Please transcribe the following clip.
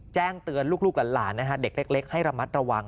แจ้งเตือนลูกหลานเด็กเล็กให้ระมัดระวัง